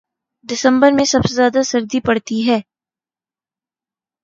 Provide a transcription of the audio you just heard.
دسمبر میں سب سے زیادہ سردی پڑتی